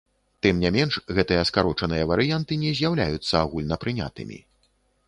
Тым не менш, гэтыя скарочаныя варыянты не з'яўляюцца агульнапрынятымі.